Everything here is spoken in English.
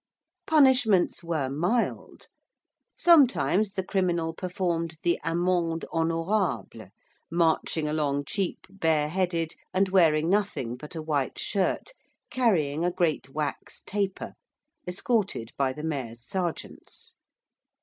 Punishments were mild. Sometimes the criminal performed the amende honorable, marching along Chepe bareheaded and wearing nothing but a white shirt, carrying a great wax taper, escorted by the Mayor's sergeants.